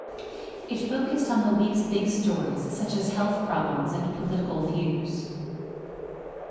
It focused on the weeks big stories such as health problems and political views.